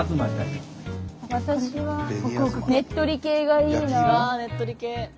私はねっとり系がいいな。